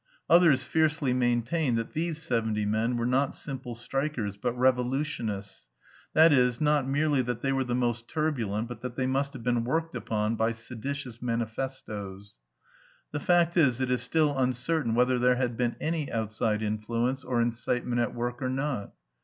Others fiercely maintained that these seventy men were not simple strikers but revolutionists, that is, not merely that they were the most turbulent, but that they must have been worked upon by seditious manifestoes. The fact is, it is still uncertain whether there had been any outside influence or incitement at work or not.